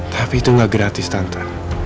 tapi itu nggak gratis tante